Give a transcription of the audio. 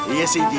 iya sih ji